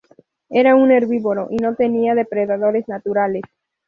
Era un herbívoro y no tenía depredadores naturales.